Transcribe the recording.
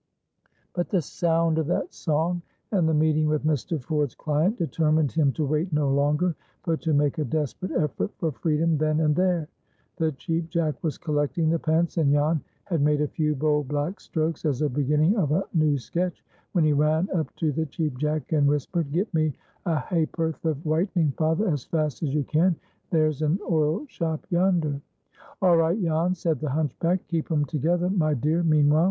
But the sound of that song and the meeting with Mr. Ford's client determined him to wait no longer, but to make a desperate effort for freedom then and there. The Cheap Jack was collecting the pence, and Jan had made a few bold black strokes as a beginning of a new sketch, when he ran up to the Cheap Jack and whispered, "Get me a ha'perth of whitening, father, as fast as you can. There's an oil shop yonder." "All right, Jan," said the hunchback. "Keep 'em together, my dear, meanwhile.